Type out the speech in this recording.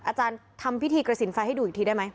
อาจารย์ทำพิธีกระสินไฟให้ดูอีกทีได้ไหม